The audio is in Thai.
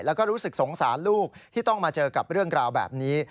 แล้วก็รู้สึกสงสารลูกที่ต้องมาเจอกับเรื่องราวแบบนี้